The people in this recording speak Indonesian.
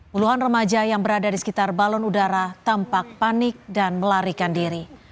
puluhan remaja yang berada di sekitar balon udara tampak panik dan melarikan diri